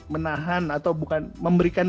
menahan atau bukan memberikan